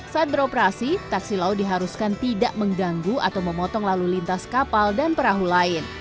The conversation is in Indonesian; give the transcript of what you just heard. saat beroperasi taksi laut diharuskan tidak mengganggu atau memotong lalu lintas kapal dan perahu lain